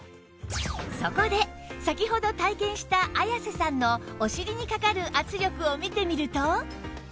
そこで先ほど体験した綾瀬さんのお尻にかかる圧力を見てみると